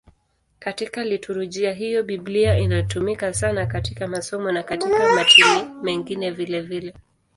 Katika liturujia hiyo Biblia inatumika sana katika masomo na katika matini mengine vilevile.